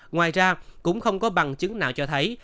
ngoài ra cũng không có bằng chứng nào cho thấy